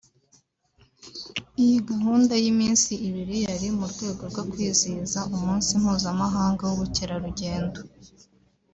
Iyi gahunda y’iminsi ibiri yari mu rwego rwo kwizihiza umunsi mpuzamahanga w’ubukerarugendo